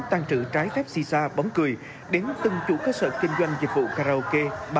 tăng trữ trái phép si sa bóng cười đến từng chủ cơ sở kinh doanh dịch vụ karaoke